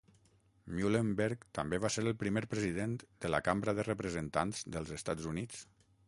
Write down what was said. Muhlenberg també va ser el primer president de la Cambra de Representants dels Estats Units.